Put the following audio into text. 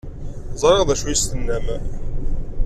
Ẓṛiɣ d acu i s-tennam.